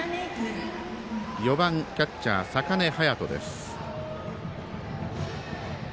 ４番、キャッチャー坂根葉矢斗です。